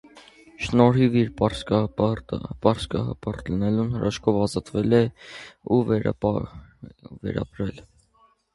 Շնորհիվ իր պարսկահպատակ լինելուն՝ հրաշքով ազատվել է ու վերապրել։